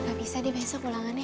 kok gak bisa dia besok ulangannya